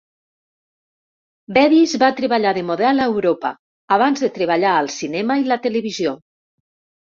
Bevis va treballar de model a Europa abans de treballar al cinema i la televisió.